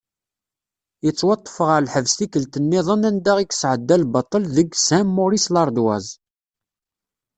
Yettwaṭṭef ɣer lḥebs tikkelt-nniḍen anda i yesεedda lbaṭel deg "Saint Maurice L’ardoise".